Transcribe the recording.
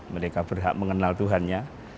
mereka berhak mengenal tuhannya